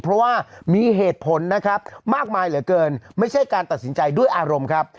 เพราะว่ามีเหตุผลนะครับมากมายเหลือเกินไม่ใช่การตัดสินใจด้วยอารมณ์ครับ